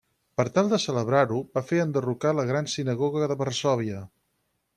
Per tal de celebrar-ho va fer enderrocar la gran sinagoga de Varsòvia.